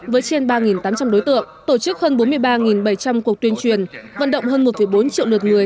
với trên ba tám trăm linh đối tượng tổ chức hơn bốn mươi ba bảy trăm linh cuộc tuyên truyền vận động hơn một bốn triệu lượt người